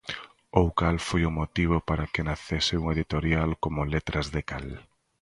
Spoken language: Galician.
Ou cal foi o motivo para que nacese unha editorial como Letras de Cal.